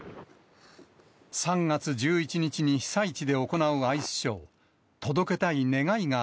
３月１１日に被災地で行うアイスショー。